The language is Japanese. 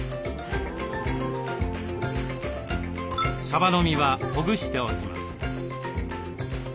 さばの身はほぐしておきます。